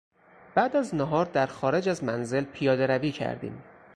بعد از نهار در خارج از منزل پیادهروی کردیم.